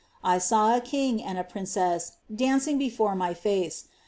■I saw a king and a princess Dancing before my face.